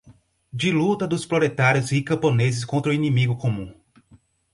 de luta dos proletários e camponeses contra o inimigo comum